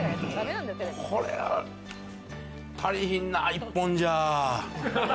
これは足りひんな、１本じゃ。